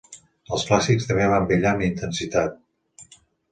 Els clàssics també van brillar amb intensitat.